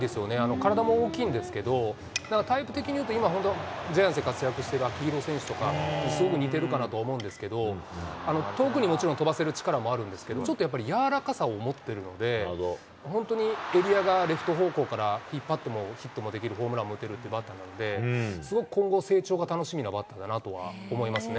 体も大きいんですけど、タイプ的に言うと、本当、ジャイアンツで活躍してる秋広選手とかにすごく似てるかなと思うんですけど、遠くにもちろん飛ばせる力もあるんですけど、ちょっとやっぱり柔らかさを持っているので、本当にエリアがレフト方向から引っ張ってもヒットもできる、ホームランも打てるっていうバッターなんで、すごく今後、成長が楽しみなバッターだなと思いますね。